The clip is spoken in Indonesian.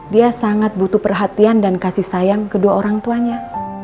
dia sangat butuh perhatian dan kasih sayang kedua orang tuanya